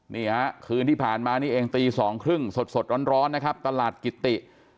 นี่ฮะคืนที่ผ่านมานี่เองตีสองครึ่งสดร้อนนะครับตลาดกิติ